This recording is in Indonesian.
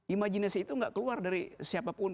imajinasi itu gak keluar dari siapapun